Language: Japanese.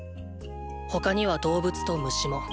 他には動物と虫も。